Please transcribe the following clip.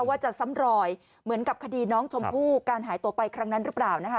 ว่าจะซ้ำรอยเหมือนกับคดีน้องชมพู่การหายตัวไปครั้งนั้นหรือเปล่านะคะ